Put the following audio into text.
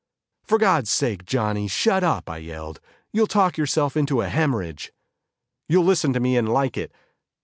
"For God's sake, Johnny, shut up!" I yelled, "You'll talk yourself into a hemorrhage." "You'll listen to me and like it."